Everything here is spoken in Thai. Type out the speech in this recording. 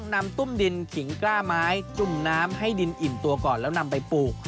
นำตุ้มดินขิงกล้าไม้จุ่มน้ำให้ดินอิ่มตัวก่อนแล้วนำไปปลูก